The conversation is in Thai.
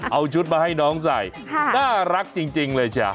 เอาชุดมาให้น้องใส่น่ารักจริงเลยจ้ะ